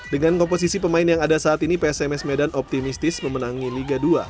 dengan komposisi pemain yang ada saat ini psms medan optimistis memenangi liga dua